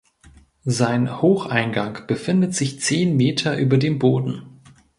Sein Hocheingang befindet sich zehn Meter über dem Boden.